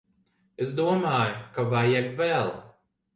Es domāju ka vajag vēl.